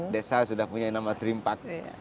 desa sudah punya nama dream park